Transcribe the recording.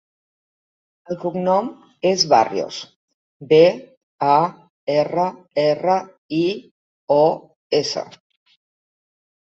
El cognom és Barrios: be, a, erra, erra, i, o, essa.